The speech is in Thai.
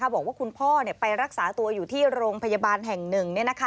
บอกว่าคุณพ่อไปรักษาตัวอยู่ที่โรงพยาบาลแห่งหนึ่ง